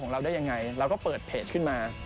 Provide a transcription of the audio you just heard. เราได้ยังไงเราก็เปิดเพจขึ้นมา